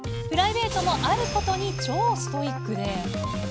プライベートもあることに超ストイックで。